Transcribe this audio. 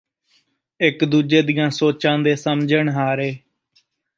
ਇਕ ਦੂਜੇ ਦੀਆਂ ਸੋਚਾਂ ਦੇ ਸਮਝਣਹਾਰੇ